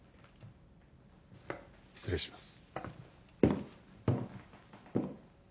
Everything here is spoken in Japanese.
失礼します。